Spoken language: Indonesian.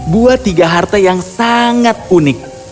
buat tiga harta yang sangat unik